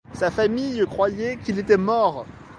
Sa famille croyait qu'il était mort.